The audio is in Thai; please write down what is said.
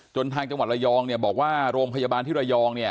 ทางจังหวัดระยองบอกว่าโรงพยาบาลที่ระยองเนี่ย